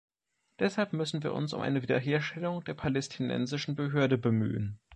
Deshalb müssen wir uns um eine Wiederherstellung der Palästinensischen Behörde bemühen.